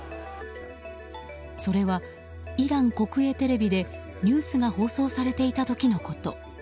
それは、イラン国営テレビでニュースが放送されていた時のこと。